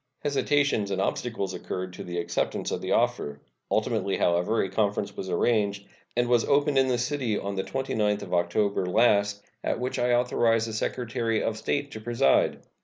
Hesitations and obstacles occurred to the acceptance of the offer. Ultimately, however, a conference was arranged, and was opened in this city on the 29th of October last, at which I authorized the Secretary of State to preside.